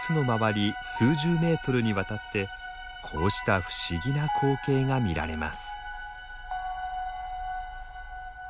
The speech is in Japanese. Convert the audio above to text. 数十メートルにわたってこうした不思議な光景が見られます。